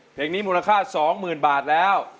เพลงนี้มูลค่า๒๐๐๐บาทแล้ว